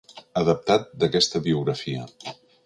Adaptat d'aquesta biografia.